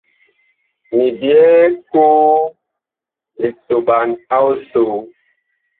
Mi byɛɛ koo lisoɓan a ɔsoo.